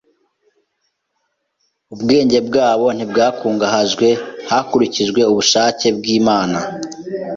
Ubwenge bwabo ntibwakungahajwe hakurikijwe ubushake bw’Imana;